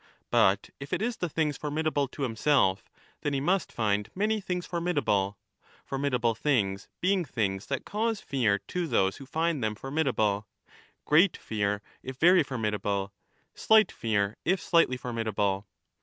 But if it is the things formidable to himself, then he must find many things formidable — formidable things^ being things that cause fear to those who find them formidable, great fear if very formidable, slight fear if slightly formidable.